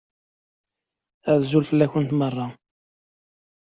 Azul fell-akent meṛṛa.